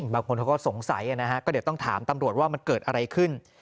บางคนเขาก็สงสัยนะฮะก็เดี๋ยวต้องถามตำรวจว่ามันเกิดอะไรขึ้น